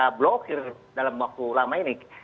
kita blokir dalam waktu lama ini